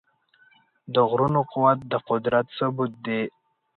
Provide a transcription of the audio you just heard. د غرونو قوت د قدرت ثبوت دی.